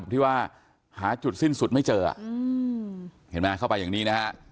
ที่ว่าหาจุดสิ้นสุดไม่เจอเห็นไหมเข้าไปอย่างนี้นะฮะ